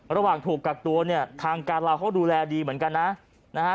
ระหว่างถูกกักตัวเนี่ยทางการลาวเขาดูแลดีเหมือนกันนะนะฮะ